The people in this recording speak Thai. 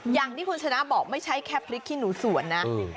อย่างที่คุณชนะบอกไม่ใช่แค่พริกขี้หนูสวนนะ